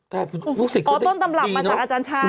ก่อต้นตำรับมาจากอาจารย์ชาวนี้